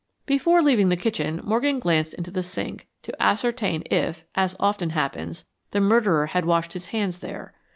Before leaving the kitchen, Morgan glanced into the sink, to ascertain if, as often happens, the murderer had washed his hands there.